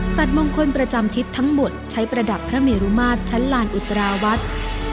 มงคลประจำทิศทั้งหมดใช้ประดับพระเมรุมาตรชั้นลานอุตราวัด